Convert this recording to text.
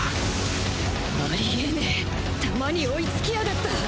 あり得ねぇ弾に追いつきやがった！